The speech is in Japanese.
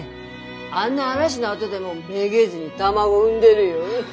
あんな嵐のあどでもめげずに卵産んでるよ！